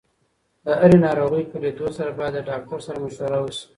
د هرې ناروغۍ په لیدو سره باید له ډاکټر سره مشوره وشي.